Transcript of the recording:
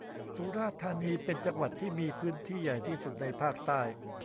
สุราษฏร์ธานีเป็นจังหวัดที่มีพื้นที่ใหญ่ที่สุดในภาคใต้